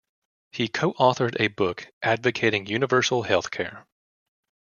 He co-authored a book advocating universal health care.